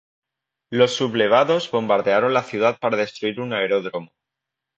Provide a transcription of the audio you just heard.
Los sublevados bombardearon la ciudad para destruir un aeródromo.